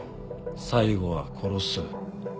最後は殺す。